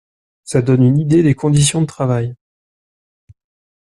ça donne une idée des conditions de travail.